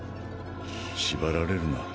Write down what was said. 縛られるな。